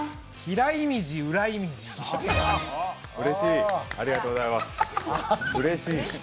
うれしい、ありがとうございます。